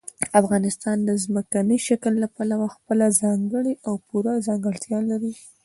افغانستان د ځمکني شکل له پلوه خپله ځانګړې او پوره ځانګړتیا لري.